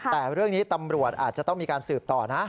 แต่เรื่องนี้ตำรวจอาจจะต้องมีการสืบต่อนะ